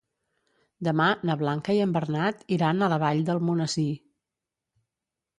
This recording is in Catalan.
Demà na Blanca i en Bernat iran a la Vall d'Almonesir.